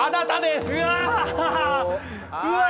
うわ！